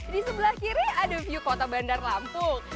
di sebelah kiri ada view kota bandar lampung